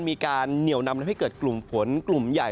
มีการเหนียวนำทำให้เกิดกลุ่มฝนกลุ่มใหญ่